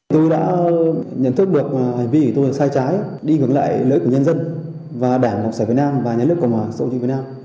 tôi đã nhận thức được hành vi của tôi là sai trái đi ngược lại lợi ích của nhân dân và đảng cộng sản việt nam và nhà nước cộng hòa xã hội việt nam